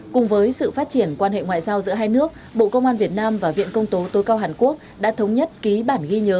cùng với sự phát triển quan hệ ngoại giao giữa hai nước bộ công an việt nam và viện công tố cao hàn quốc đã thống nhất ký bản ghi nhớ